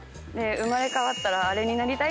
生まれ変わったらアレになりたい？